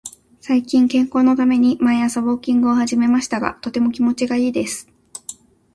最近、健康のために毎朝ウォーキングを始めましたが、とても気持ちがいいです。